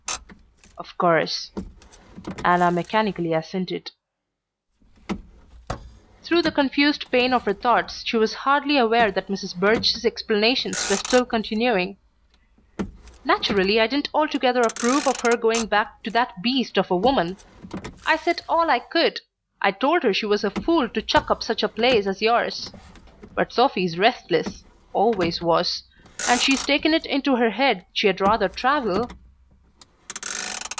"Of course," Anna mechanically assented. Through the confused pain of her thoughts she was hardly aware that Mrs. Birch's explanations were still continuing. "Naturally I didn't altogether approve of her going back to that beast of a woman. I said all I could...I told her she was a fool to chuck up such a place as yours. But Sophy's restless always was and she's taken it into her head she'd rather travel..."